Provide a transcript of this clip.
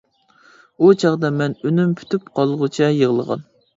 ئۇ چاغدا مەن ئۈنۈم پۈتۈپ قالغۇچە يىغلىغان.